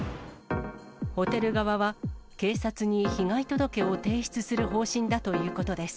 ホテル側は、警察に被害届を提出する方針だということです。